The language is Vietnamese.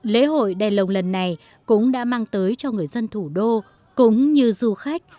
lễ hội đèn lồng lần này cũng đã mang tới cho người dân thủ đô cũng như du khách